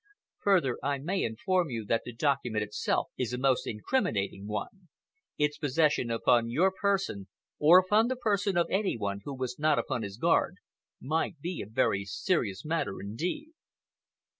Further, I may inform you that the document itself is a most incriminating one. Its possession upon your person, or upon the person of any one who was not upon his guard, might be a very serious matter indeed."